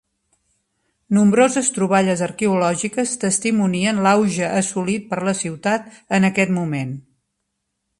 Nombroses troballes arqueològiques testimonien l'auge assolit per la ciutat en aquest moment.